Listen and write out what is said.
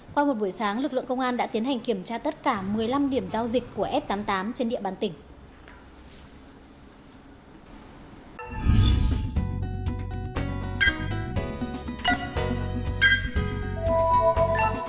qua một buổi sáng lực lượng công an đã tiến hành kiểm tra tất cả một mươi năm điểm giao dịch của f tám mươi tám trên địa bàn tỉnh